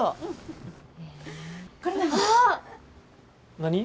何？